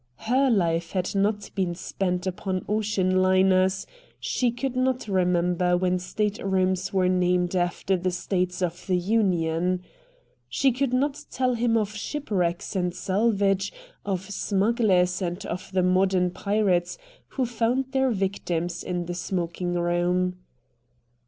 HER life had not been spent upon ocean liners; she could not remember when state rooms were named after the States of the Union. She could not tell him of shipwrecks and salvage, of smugglers and of the modern pirates who found their victims in the smoking room.